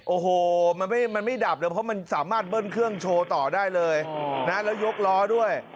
โอ้โหมันไม่ดับเลยเพราะมันสามารถเบิ้ลเครื่องโชว์ต่อได้เลยนะแล้วยกล้อด้วย